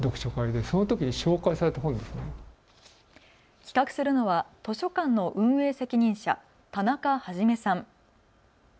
企画するのは図書館の運営責任者、田中肇さん。